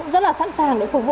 và tất cả